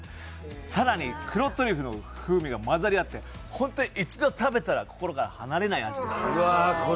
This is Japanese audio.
更に、黒トリュフの風味が混ざり合って、本当に一度食べたら心から離れない味です。